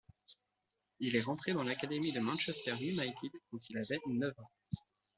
Il est rentré dans l'académie de Manchester United quand il avait neuf ans.